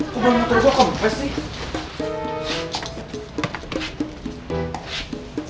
kok ban motor gue kempes nih